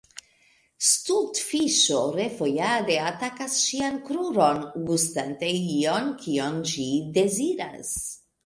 Stultfiŝo refojade atakas ŝian kruron, gustante ion, kion ĝi deziras.